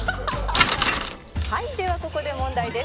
「はいではここで問題です」